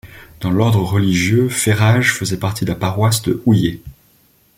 Dans l'ordre religieux, Ferage faisait partie de la paroisse de Houyet.